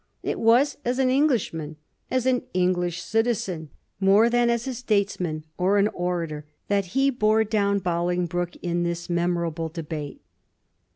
It was as an English man, as an English citizen, more than as a statesman or an orator, that he bore down Bolingbroke in this memoral*!e debate.